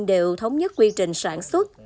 đều thống nhất quy trình sản xuất